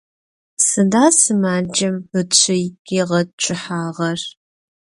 Сыда сымаджэм ычый ригъэчъыхьагъэр?